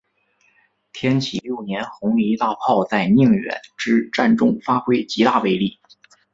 天启六年红夷大炮在宁远之战中发挥极大威力。